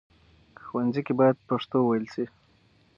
ښوونځي کې بايد پښتو وويل شي.